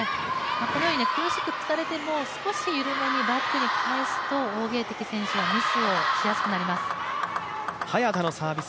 このように苦しく突かれても少し緩めにバックに返すと王ゲイ迪選手はミスをしやすくなります。